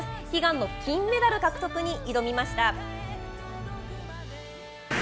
悲願の金メダル獲得に挑みました。